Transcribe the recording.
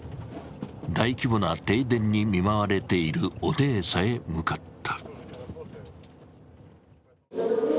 大規模な停電に見舞われているオデーサへ向かった。